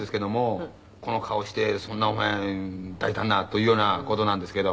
この顔してそんなお前大胆な！というような事なんですけど。